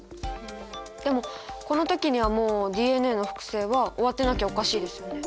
でもこの時にはもうＤＮＡの複製は終わってなきゃおかしいですよね。